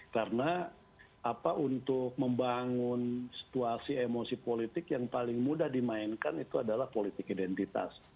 karena apa untuk membangun situasi emosi politik yang paling mudah dimainkan itu adalah politik identitas